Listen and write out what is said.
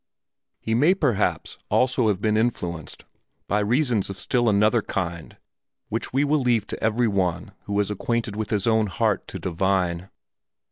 He may perhaps also have been influenced by reasons of still another kind which we will leave to every one who is acquainted with his own heart to divine.